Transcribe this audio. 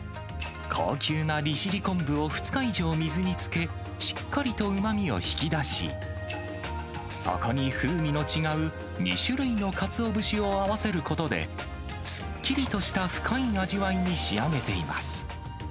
高級な利尻昆布を２日以上、水につけ、しっかりとうまみを引き出し、そこに風味の違う２種類のかつお節を合わせることで、すっきりとした深い味わいに仕上げています。